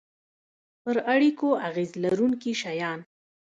پر اړیکو اغیز لرونکي شیان